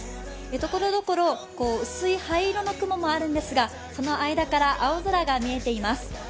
ところどころ薄い灰色の雲もあるのですが、その間から青空が見えています。